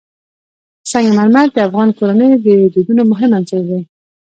سنگ مرمر د افغان کورنیو د دودونو مهم عنصر دی.